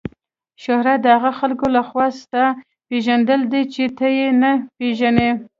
شهرت د هغو خلکو له خوا ستا پیژندل دي چې ته یې نه پیژنې.